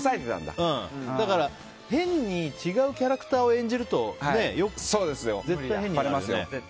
だから、変に違うキャラクターを演じると絶対、変になるよね。